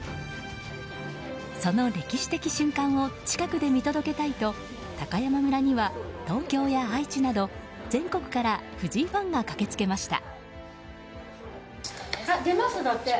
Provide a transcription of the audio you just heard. その歴史的瞬間を近くで見届けたいと高山村には、東京や愛知など全国から藤井ファンが駆け付けました。